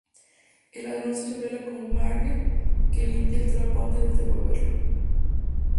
El ladrón se revela como Marge, que limpia el trapo antes de devolverlo.